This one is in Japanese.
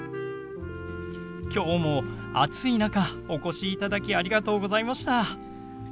今日も暑い中お越しいただきありがとうございました。